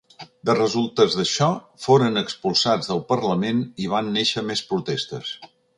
De resultes d’això foren expulsats del parlament i van néixer més protestes.